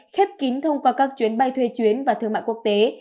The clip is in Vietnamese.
khép kín thông qua các chuyến bay thuê chuyến và thương mại quốc tế